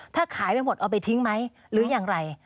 ถ้าขายไปหมดเอาไปทิ้งไหมหรืออย่างไร